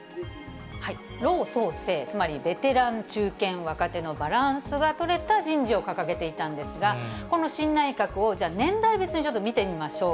老壮青、つまりベテラン、中堅、若手のバランスが取れた人事を掲げていたんですが、この新内閣を、じゃあ、年代別にちょっと見てみましょう。